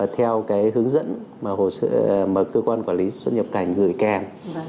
theo cái hướng dẫn mà cơ quan quản lý xuất nhập cảnh gửi kèm